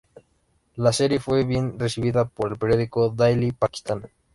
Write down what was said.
La serie fue bien recibida por el periódico "Daily Pakistan".